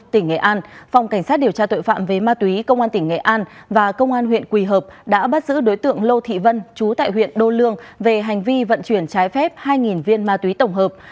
tỉnh nghệ an phòng cảnh sát điều tra tội phạm về ma túy công an tỉnh nghệ an và công an huyện quỳ hợp đã bắt giữ đối tượng lô thị vân chú tại huyện đô lương về hành vi vận chuyển trái phép hai viên ma túy tổng hợp